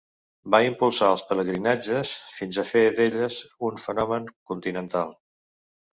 Va impulsar els pelegrinatges fins a fer d'elles un fenomen continental.